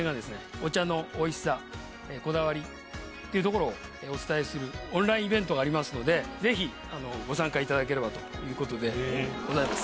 お茶のおいしさこだわりっていうところをお伝えするオンラインイベントがありますのでぜひご参加いただければということでございます